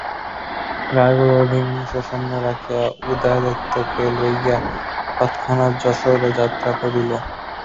রায়গড়ে অধিকাংশ সৈন্য রাখিয়া উদয়াদিত্যকে লইয়া তৎক্ষণাৎ যশােহরে যাত্রা করিল।